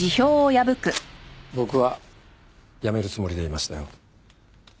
僕は辞めるつもりでいましたよ。